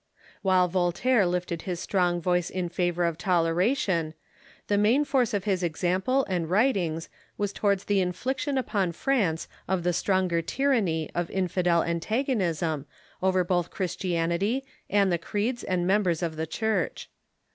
While Voltaire lifted his strong voice in favor of toleration, the main force of his example and writings was towards the infliction upon France of the stronger tyranny of French Sceptics .^,,,.,,^,•..'^,*, inndel antagonism over both Christianity and the creeds and members of the Church.